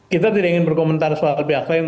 kita tidak ingin berkomentar soal pihak lain